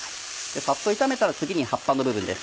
サッと炒めたら次に葉っぱの部分です。